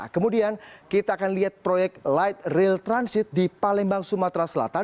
kemudian kita akan lihat proyek light rail transit di palembang sumatera selatan